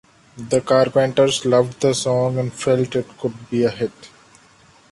The Carpenters loved the song and felt it could be a hit.